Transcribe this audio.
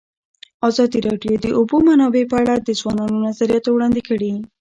ازادي راډیو د د اوبو منابع په اړه د ځوانانو نظریات وړاندې کړي.